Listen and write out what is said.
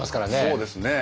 そうですね。